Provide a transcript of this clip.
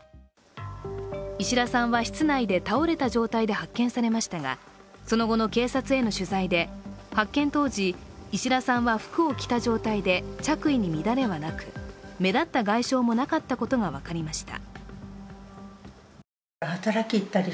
石田さんは室内で倒れた状態で発見されましたが、その後の警察への取材で発見当時、石田さんは服を着た状態で着衣に乱れはなく目立った外傷もなかったことが分かりました。